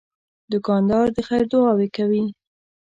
دوکاندار د خیر دعاوې کوي.